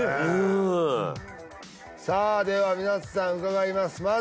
うーんさあでは皆さん伺います